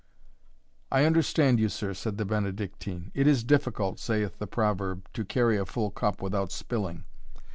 "I understand you, sir," said the Benedictine; "it is difficult, saith the proverb, to carry a full cup without spilling.